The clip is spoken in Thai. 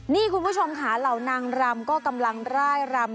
นี่คุณผู้ชมค่ะเหล่านางรำก็กำลังร่ายรำ